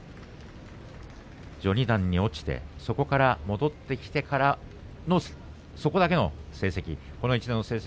序二段に落ちてそこから戻ってきてからの成績。